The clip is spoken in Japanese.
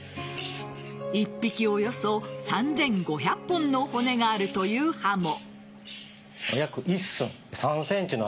一匹およそ３５００本の骨があるというハモ。